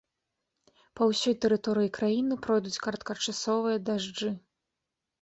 Па ўсёй тэрыторыі краіны пройдуць кароткачасовыя дажджы.